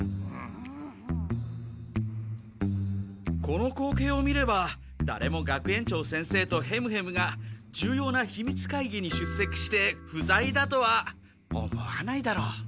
この光景を見ればだれも学園長先生とヘムヘムが重要なひみつ会議に出席して不在だとは思わないだろう。